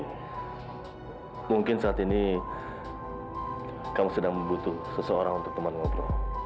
tapi mungkin saat ini kamu sedang butuh seseorang untuk teman ngobrol